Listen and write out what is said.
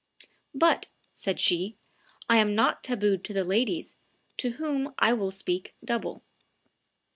"But," said she, "I am not tabooed to the ladies, to whom I will speak double."